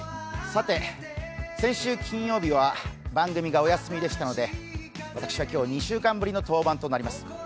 先週金曜日は番組がお休みでしたので私は今日、２週間ぶりの登板となります。